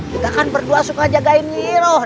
kita kan berdua suka jagain nyiroh